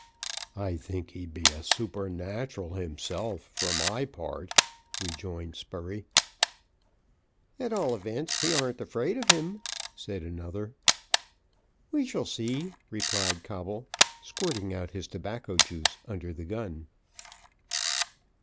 "I thinks he be a supernatural himself, for my part," rejoined Spurey. "At all events, he ar'n't afeard of him," said another. "We shall see," replied Coble, squirting out his tobacco juice under the gun.